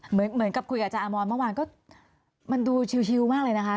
เหมือนกับคุยกับอาจารย์อมรเมื่อวานก็มันดูชิวมากเลยนะคะ